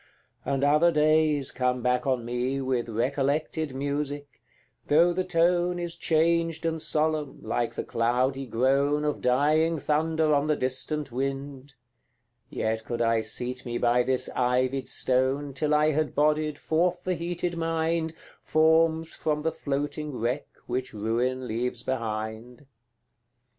and other days come back on me With recollected music, though the tone Is changed and solemn, like the cloudy groan Of dying thunder on the distant wind; Yet could I seat me by this ivied stone Till I had bodied forth the heated mind, Forms from the floating wreck which ruin leaves behind; CV.